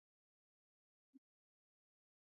نفت د افغانستان د ځایي اقتصادونو بنسټ دی.